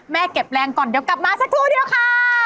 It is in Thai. เก็บแรงก่อนเดี๋ยวกลับมาสักครู่เดียวค่ะ